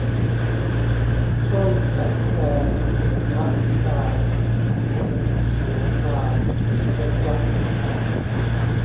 สร้อยแสงแดง พะพราย ขนเขียวลายระยับ